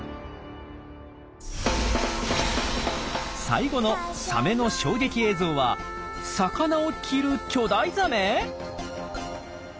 最後のサメの衝撃映像は魚を着る巨大ザメ！？